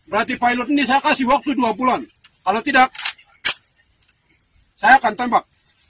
dan negara semua tunduk indonesia kalau tidak dua bulan kalau lewat saya akan tembak